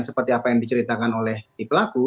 seperti apa yang diceritakan oleh si pelaku